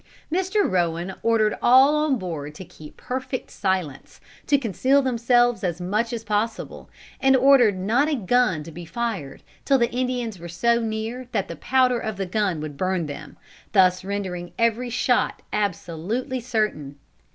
Mr. Rowan ordered all on board to keep perfect silence, to conceal themselves as much as possible, and ordered not a gun to be fired till the Indians were so near that the powder of the gun would burn them, thus rendering every shot absolutely certain.